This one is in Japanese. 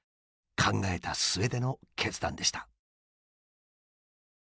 考えた末での決断でした。